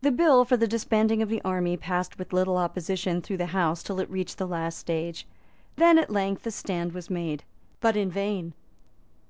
The bill for the disbanding of the army passed with little opposition through the House till it reached the last stage. Then, at length, a stand was made, but in vain.